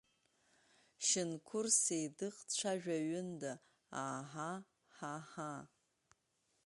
Шьынқәыр Сеидыҟ дцәажәаҩында, аа-ҳа, ҳаа-ҳаа!